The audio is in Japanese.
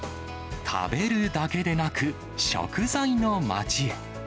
食べるだけでなく、食材のまちへ。